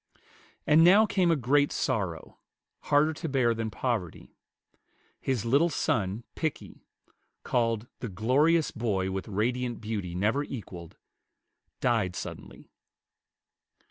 And now came a great sorrow, harder to bear than poverty. His little son Pickie, called "the glorious boy with radiant beauty never equalled," died suddenly.